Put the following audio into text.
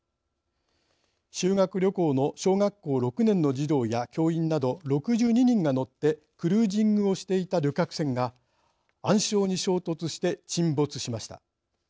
修学旅行の小学校６年の児童や教員など６２人が乗ってクルージングをしていた旅客船が暗礁に衝突して沈没しました。